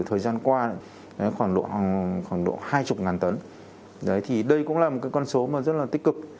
thời gian qua khoảng độ hai mươi tấn đây cũng là một con số rất là tích cực